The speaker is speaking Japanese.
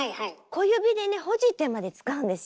小指でほじってまで使うんですよ。